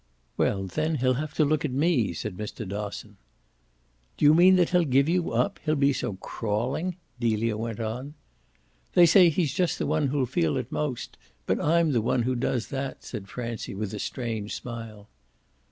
"Well then he'll have to look at ME," said Mr. Dosson. "Do you mean that he'll give you up he'll be so CRAWLING?" Delia went on. "They say he's just the one who'll feel it most. But I'm the one who does that," said Francie with a strange smile.